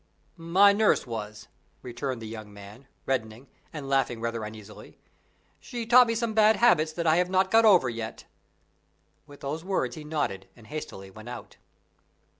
"My nurse was," returned the young man, reddening, and laughing rather uneasily. "She taught me some bad habits that I have not got over yet." With those words he nodded and hastily went out.